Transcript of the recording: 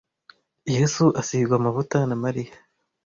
Yesu asigwa amavuta na Mariya